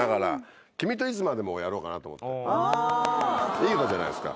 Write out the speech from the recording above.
いい歌じゃないですか。